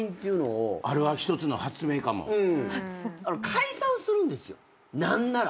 解散するんですよ何なら。